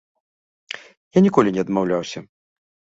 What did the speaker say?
Я ніколі не адмаўляўся.